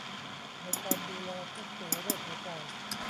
ในการดูแลผู้ป่วยโรคหัวใจ